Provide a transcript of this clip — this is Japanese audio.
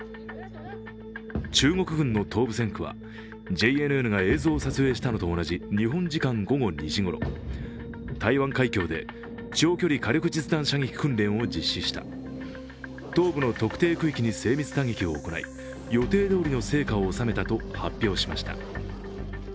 中国軍の東部戦区はＪＮＮが映像を撮影したのと同じ日本時間午後２時ごろ、台湾海峡で長距離火力実弾射撃訓練を実施した、東部の特定区域に精密打撃を行い予定どおりの成果を収めたと発表しました。